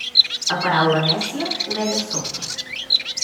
A paraula nècia, orella sorda.